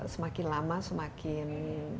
semakin lama semakin